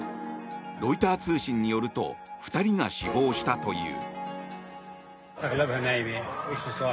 ロイター通信によると２人が死亡したという。